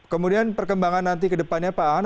kemudian perkembangan nanti kedepannya pak an